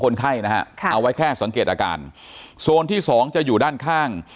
คนไข้นะฮะค่ะเอาไว้แค่สังเกตอาการโซนที่สองจะอยู่ด้านข้าง